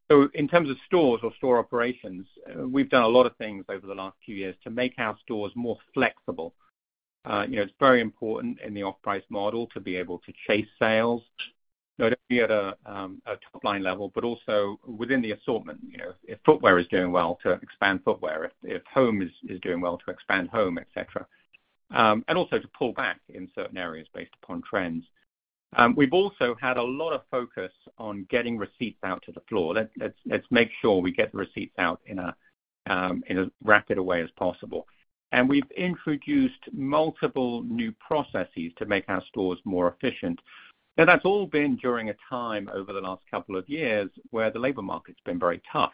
In terms of stores or store operations, we've done a lot of things over the last few years to make our stores more flexible. You know, it's very important in the off-price model to be able to chase sales, not only at a top-line level, but also within the assortment. You know, if footwear is doing well, to expand footwear. If home is doing well, to expand home, et cetera. Also to pull back in certain areas based upon trends. We've also had a lot of focus on getting receipts out to the floor. Let's make sure we get the receipts out in as rapid a way as possible. We've introduced multiple new processes to make our stores more efficient. That's all been during a time over the last couple of years where the labor market's been very tough,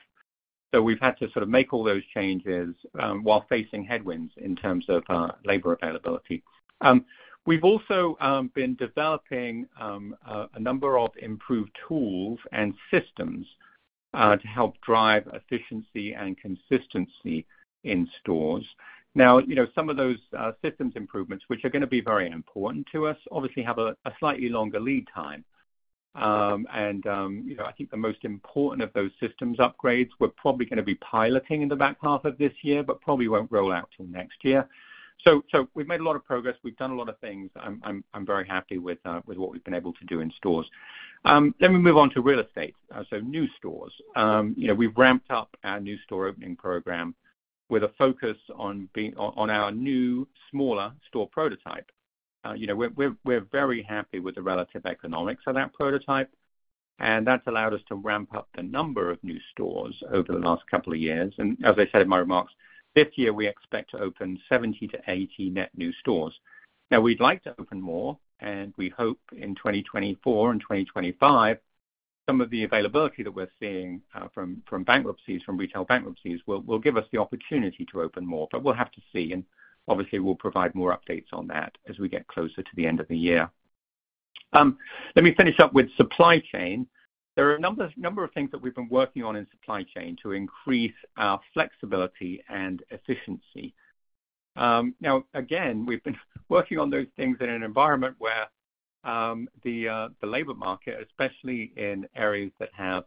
so we've had to sort of make all those changes while facing headwinds in terms of labor availability. We've also been developing a number of improved tools and systems to help drive efficiency and consistency in stores. You know, some of those systems improvements, which are gonna be very important to us, obviously, have a slightly longer lead time. You know, I think the most important of those systems upgrades, we're probably gonna be piloting in the back half of this year, but probably won't roll out till next year. We've made a lot of progress. We've done a lot of things. I'm very happy with what we've been able to do in stores. Let me move on to real estate. New stores. You know, we've ramped up our new store opening program with a focus on our new, smaller store prototype. You know, we're very happy with the relative economics of that prototype, and that's allowed us to ramp up the number of new stores over the last couple of years. As I said in my remarks, this year, we expect to open 70-80 net new stores. We'd like to open more, and we hope in 2024 and 2025, some of the availability that we're seeing from bankruptcies, from retail bankruptcies, will give us the opportunity to open more. We'll have to see, and obviously, we'll provide more updates on that as we get closer to the end of the year. Let me finish up with supply chain. There are a number of things that we've been working on in supply chain to increase our flexibility and efficiency. Again, we've been working on those things in an environment where the labor market, especially in areas that have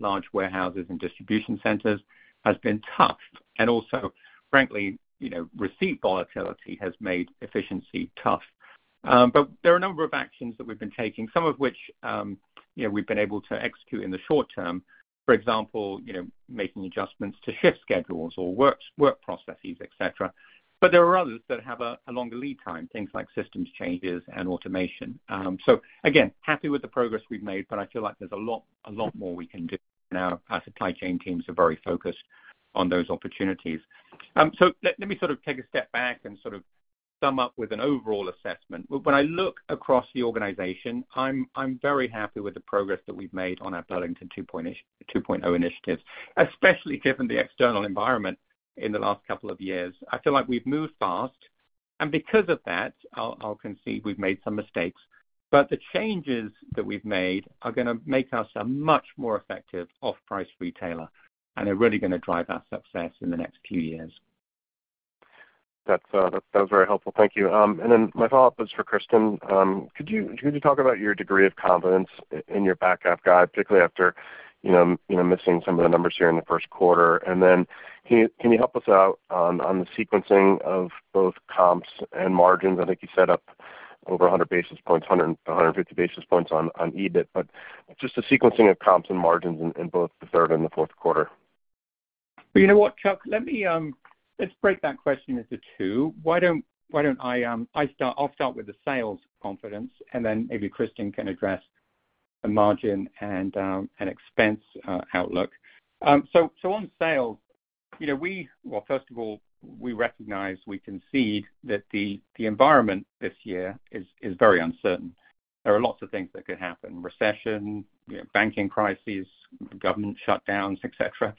large warehouses and distribution centers, has been tough. Also, frankly, you know, receipt volatility has made efficiency tough. There are a number of actions that we've been taking, some of which, you know, we've been able to execute in the short term. For example, you know, making adjustments to shift schedules or work processes, et cetera. There are others that have a longer lead time, things like systems changes and automation. Again, happy with the progress we've made, but I feel like there's a lot more we can do, and our supply chain teams are very focused on those opportunities. Let me sort of take a step back and sort of sum up with an overall assessment. When I look across the organization, I'm very happy with the progress that we've made on our Burlington 2.0 initiatives, especially given the external environment in the last couple of years. I feel like we've moved fast, and because of that, I'll concede we've made some mistakes, but the changes that we've made are gonna make us a much more effective off-price retailer, and they're really gonna drive our success in the next few years. That's, that was very helpful. Thank you. My follow-up is for Kristin. Could you talk about your degree of confidence in your back half guide, particularly after, you know, missing some of the numbers here in the first quarter? Can you help us out on the sequencing of both comps and margins? I think you set up over 100 basis points, 150 basis points on EBIT, but just the sequencing of comps and margins in both the third and the fourth quarter. You know what, Chuck? Let's break that question into two. Why don't I start with the sales confidence, and then maybe Kristin can address the margin and expense outlook. On sales, you know, well, first of all, we recognize, we concede that the environment this year is very uncertain. There are lots of things that could happen: recession, you know, banking crises, government shutdowns, et cetera.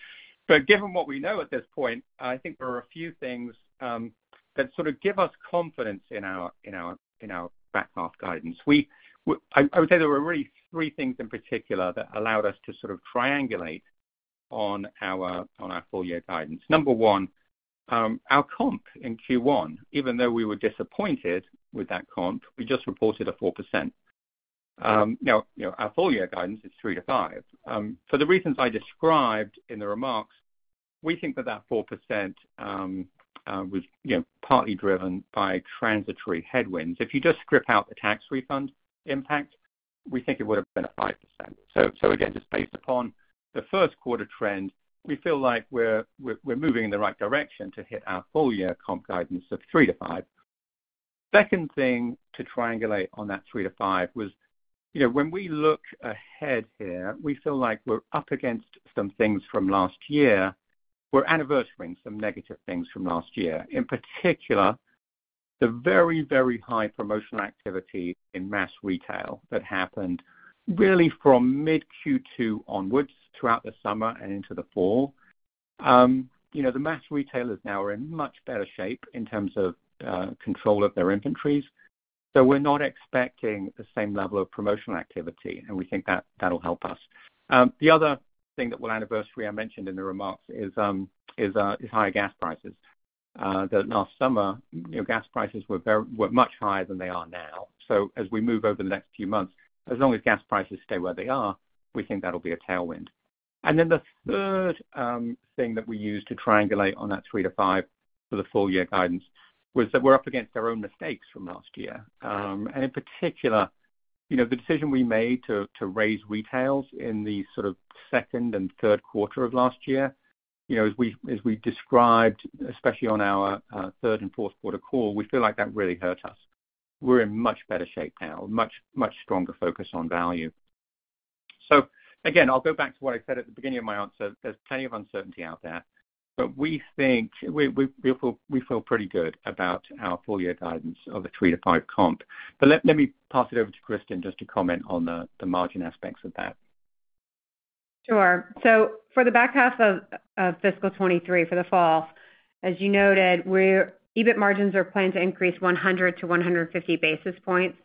Given what we know at this point, I think there are a few things that sort of give us confidence in our back-half guidance. I would say there were really three things in particular that allowed us to sort of triangulate on our full year guidance. Number one, our comp in Q1, even though we were disappointed with that comp, we just reported a 4%. Now, you know, our full year guidance is 3%-5%. For the reasons I described in the remarks, we think that that 4% was, you know, partly driven by transitory headwinds. If you just strip out the tax refund impact, we think it would have been a 5%. Again, just based upon the first quarter trend, we feel like we're moving in the right direction to hit our full year comp guidance of 3%-5%. Second thing to triangulate on that 3%-5% was, you know, when we look ahead here, we feel like we're up against some things from last year. We're anniversarying some negative things from last year. In particular, the very, very high promotional activity in mass retail that happened really from mid-Q2 onwards, throughout the summer and into the fall. You know, the mass retailers now are in much better shape in terms of control of their inventories. We're not expecting the same level of promotional activity, and we think that that'll help us. The other thing that will anniversary, I mentioned in the remarks, is higher gas prices. That last summer, you know, gas prices were much higher than they are now. As we move over the next few months, as long as gas prices stay where they are, we think that that'll be a tailwind. The third thing that we use to triangulate on that 3%-5% for the full year guidance was that we're up against our own mistakes from last year. In particular, you know, the decision we made to raise retails in the sort of second and third quarter of last year, you know, as we described, especially on our third and fourth quarter call, we feel like that really hurt us. We're in much better shape now, much stronger focus on value. Again, I'll go back to what I said at the beginning of my answer. There's plenty of uncertainty out there, but we feel pretty good about our full year guidance of the 3%-5% comp. Let me pass it over to Kristin just to comment on the margin aspects of that. Sure. For the back half of fiscal 2023, for the fall, as you noted, EBIT margins are planned to increase 100-150 basis points.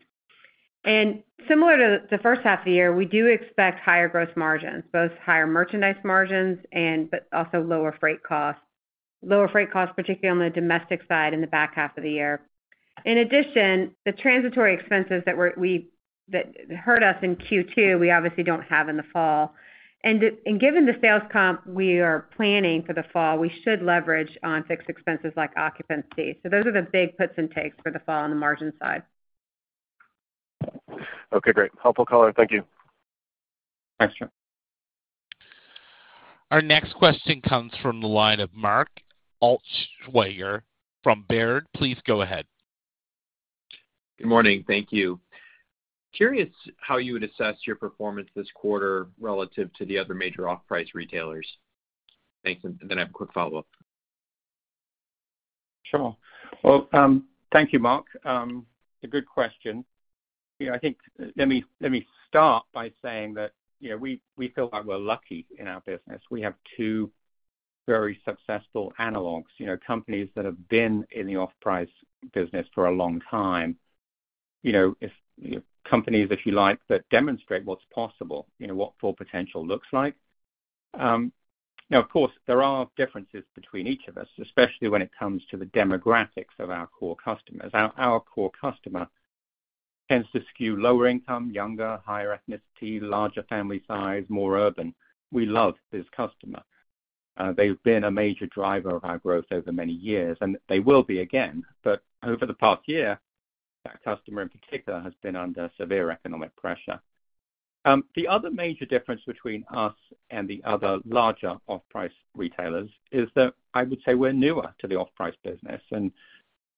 Similar to the first half of the year, we do expect higher gross margins, both higher merchandise margins but also lower freight costs. Lower freight costs, particularly on the domestic side, in the back half of the year. In addition, the transitory expenses that hurt us in Q2, we obviously don't have in the fall. Given the sales comp we are planning for the fall, we should leverage on fixed expenses like occupancy. Those are the big puts and takes for the fall on the margin side. Okay, great. Helpful color. Thank you. Thanks, Chuck. Our next question comes from the line of Mark Altschwager from Baird. Please go ahead. Good morning. Thank you. Curious how you would assess your performance this quarter relative to the other major off-price retailers? Thanks. I have a quick follow-up. Sure. Well, thank you, Mark. It's a good question. You know, I think, let me start by saying that, you know, we feel like we're lucky in our business. We have two very successful analogs, you know, companies that have been in the off-price business for a long time. You know, if companies, if you like, that demonstrate what's possible, you know, what full potential looks like. Now, of course, there are differences between each of us, especially when it comes to the demographics of our core customers. Our core customer tends to skew lower income, younger, higher ethnicity, larger family size, more urban. We love this customer. They've been a major driver of our growth over many years, and they will be again, but over the past year, that customer, in particular, has been under severe economic pressure. The other major difference between us and the other larger off-price retailers is that I would say we're newer to the off-price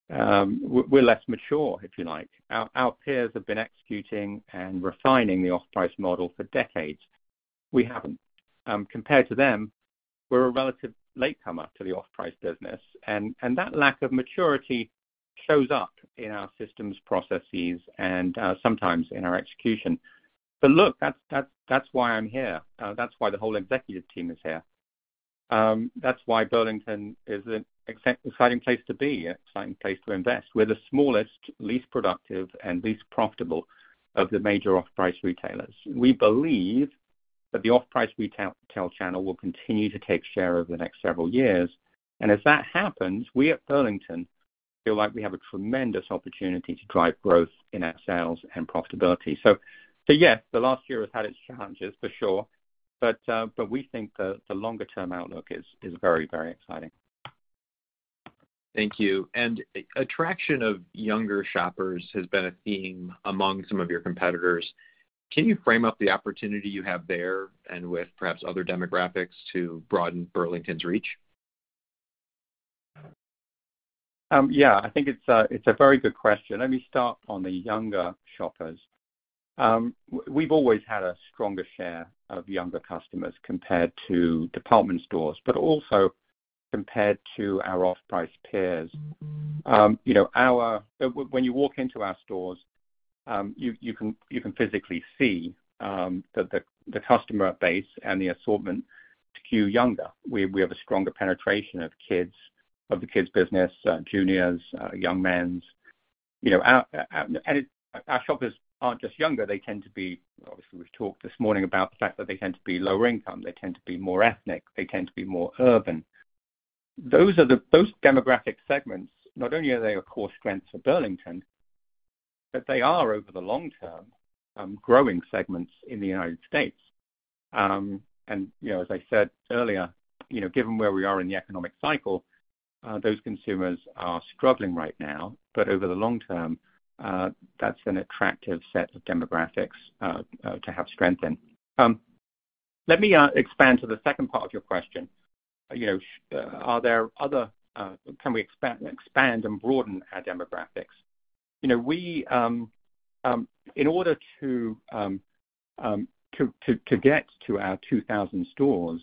business, and we're less mature, if you like. Our peers have been executing and refining the off-price model for decades. We haven't. Compared to them, we're a relative latecomer to the off-price business, and that lack of maturity shows up in our systems, processes, and sometimes in our execution. Look, that's why I'm here. That's why the whole executive team is here. That's why Burlington is an exciting place to be, an exciting place to invest. We're the smallest, least productive, and least profitable of the major off-price retailers. We believe that the off-price retail channel will continue to take share over the next several years, and if that happens, we at Burlington feel like we have a tremendous opportunity to drive growth in our sales and profitability. Yes, the last year has had its challenges for sure, but we think the longer-term outlook is very exciting. Thank you. Attraction of younger shoppers has been a theme among some of your competitors. Can you frame up the opportunity you have there and with perhaps other demographics to broaden Burlington's reach? Yeah, I think it's a very good question. Let me start on the younger shoppers. We've always had a stronger share of younger customers compared to department stores, but also compared to our off-price peers. You know, when you walk into our stores, you can, you can physically see that the customer base and the assortment skew younger. We have a stronger penetration of kids, of the kids business, juniors, young men's. You know, our, and our shoppers aren't just younger. Obviously, we've talked this morning about the fact that they tend to be lower income, they tend to be more ethnic, they tend to be more urban. Those demographic segments, not only are they a core strength for Burlington, but they are, over the long term, growing segments in the United States. You know, as I said earlier, you know, given where we are in the economic cycle, those consumers are struggling right now, but over the long term, that's an attractive set of demographics to have strength in. Let me expand to the second part of your question. You know, are there other, can we expand and broaden our demographics? You know, we, in order to get to our 2,000 stores,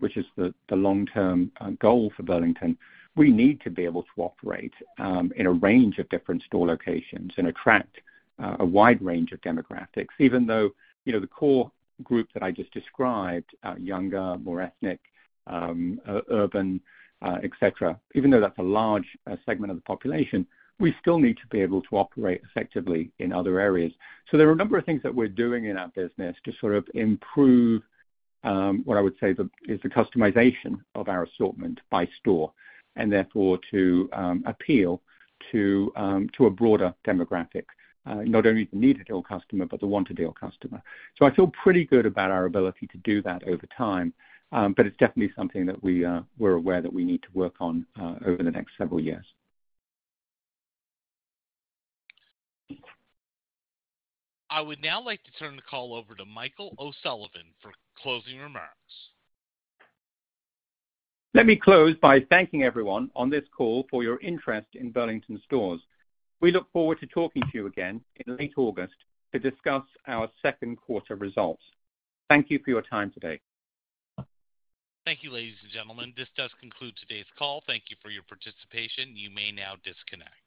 which is the long-term goal for Burlington, we need to be able to operate in a range of different store locations and attract a wide range of demographics, even though, you know, the core group that I just described, younger, more ethnic, urban, et cetera, even though that's a large segment of the population, we still need to be able to operate effectively in other areas. There are a number of things that we're doing in our business to sort of improve what I would say is the customization of our assortment by store, and therefore to appeal to a broader demographic, not only the need-it-all customer, but the want-it-all customer. I feel pretty good about our ability to do that over time, but it's definitely something that we're aware that we need to work on, over the next several years. I would now like to turn the call over to Michael O'Sullivan for closing remarks. Let me close by thanking everyone on this call for your interest in Burlington Stores. We look forward to talking to you again in late August to discuss our second quarter results. Thank you for your time today. Thank you, ladies and gentlemen. This does conclude today's call. Thank you for your participation. You may now disconnect.